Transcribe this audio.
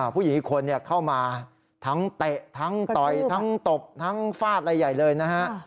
ผู้หญิงอีกคนเข้ามาทั้งเตะทั้งต่อยทั้งตบทั้งฟาดอะไรใหญ่เลยนะฮะ